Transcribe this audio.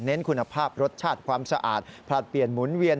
คุณภาพรสชาติความสะอาดผลัดเปลี่ยนหมุนเวียน